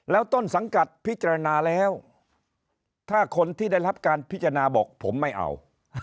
แล้วต้นสังกัดพิจารณาแล้วถ้าคนที่ได้รับการพิจารณาบอกผมไม่เอา